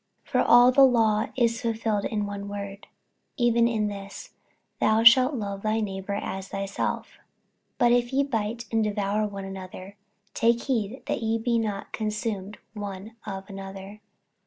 48:005:014 For all the law is fulfilled in one word, even in this; Thou shalt love thy neighbour as thyself. 48:005:015 But if ye bite and devour one another, take heed that ye be not consumed one of another.